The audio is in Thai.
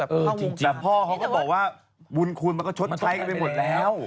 แต๊พ่อเบียร์เขาบอกว่าวุ้นคูณมันก็ชดใช้ไปหมดแล้ว